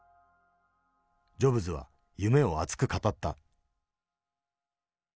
ジョブズは夢を熱く語った。